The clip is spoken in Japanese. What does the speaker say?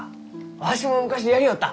わしも昔やりよった！